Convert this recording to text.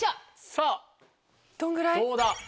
さぁどうだ？